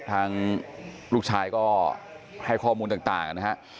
ทางลูกชายก็ให้ข้อมูลต่างนะฮะ